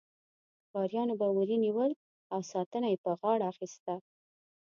ښکاریانو به وري نیول او ساتنه یې په غاړه اخیسته.